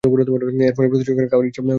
এর ফলশ্রুতিতে খাওয়ার ইচ্ছা হ্রাস পেতে থাকে।